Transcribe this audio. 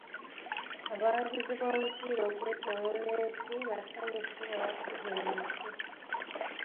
Abawagizi b'omupiira okwetooloola ensi basanyufu olwa sizoni empya.